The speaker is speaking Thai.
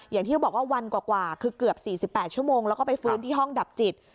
อย่างที่เขาบอกว่าวันกว่าคือเกือบ๔๘ชั่วโมงแล้วก็ไปฟื้นที่ห้องดับจิต